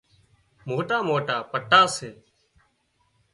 موٽا موٽا پٽا سي